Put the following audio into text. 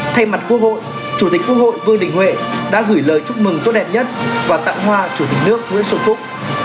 thay mặt quốc hội chủ tịch quốc hội vương đình huệ đã gửi lời chúc mừng tốt đẹp nhất và tặng hoa chủ tịch nước nguyễn xuân phúc